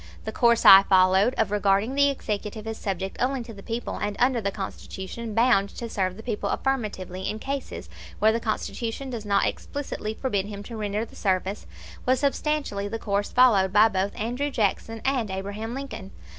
The course I followed, of regarding the executive as subject only to the people, and, under the Constitution, bound to serve the people affirmatively in cases where the Constitution does not explicitly forbid him to render the service, was substantially the course followed by both Andrew Jackson and Abraham Lincoln.